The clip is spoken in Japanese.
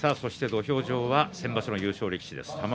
土俵上は先場所の優勝力士、玉鷲。